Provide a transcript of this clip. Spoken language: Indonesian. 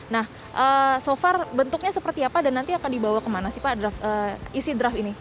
nah so far bentuknya seperti apa dan nanti akan dibawa kemana sih pak isi draft ini